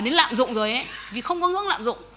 đến làm dụng rồi ấy vì không có ngưỡng làm dụng